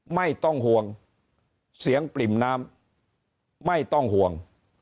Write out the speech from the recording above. ไม่ต้องห่วงเสียงปริ่มน้ำไม่ต้องห่วง